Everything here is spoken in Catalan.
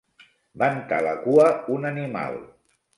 Ventar la cua un animal.